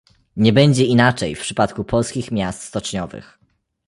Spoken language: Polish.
Nie będzie inaczej w przypadku polskich miast stoczniowych